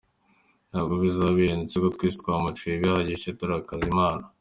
Ntabwo bizaba bihendutse kuko twese twaracumuye bihagije turakaza Imana.